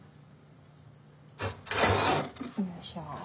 よいしょ。